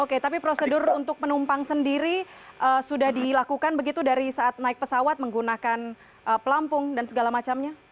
oke tapi prosedur untuk penumpang sendiri sudah dilakukan begitu dari saat naik pesawat menggunakan pelampung dan segala macamnya